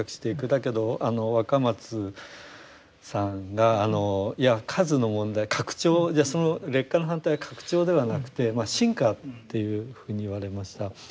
だけどあの若松さんがいや数の問題拡張その劣化の反対は拡張ではなくてまあ深化というふうに言われました。